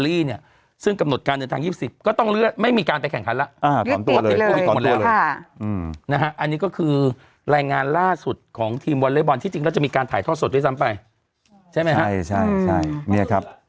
ล้อนนะฮะอันนี้ก็คือเรายนหลายงานล่าสุดของทีมวัลเล่ย์บอลที่จริงถ้าจะมีการถ่ายทอดสดด้วยซ้ำไปใช่ไหมฮะใช่เนี่ยครับ